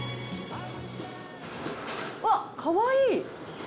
うわっかわいい！